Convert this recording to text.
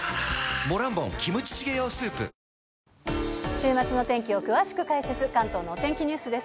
週末の天気を詳しく解説、関東のお天気ニュースです。